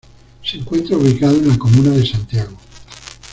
Se encuentra ubicado en la comuna de Santiago.